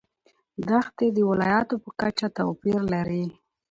دښتې د ولایاتو په کچه توپیر لري.